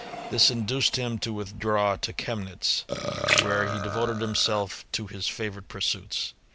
This induced him to withdraw to Chemnitz, where he devoted himself to his favourite pursuits.